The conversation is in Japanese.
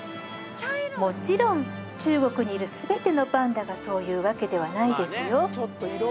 もちろん中国にいる全てのパンダがそういうわけではないですよ